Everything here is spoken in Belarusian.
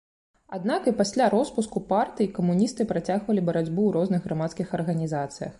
Аднак і пасля роспуску партыі камуністы працягвалі барацьбу ў розных грамадскіх арганізацыях.